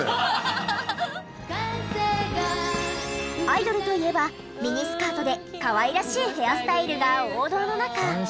アイドルといえばミニスカートでかわいらしいヘアスタイルが王道の中。